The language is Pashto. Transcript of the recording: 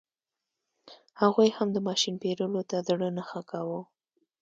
هغوی هم د ماشین پېرلو ته زړه نه ښه کاوه.